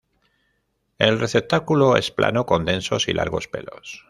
El receptáculo es plano, con densos y largos pelos.